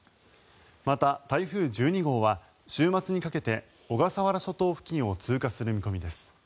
また、台風１２号は週末にかけて小笠原諸島付近を通過する見込みです。